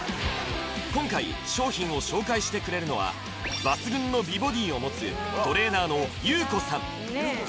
今回商品を紹介してくれるのは抜群の美ボディーをもつトレーナーのＹＵＫＯさん